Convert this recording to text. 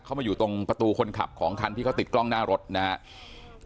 มาอยู่ตรงประตูคนขับของคันที่เขาติดกล้องหน้ารถนะครับ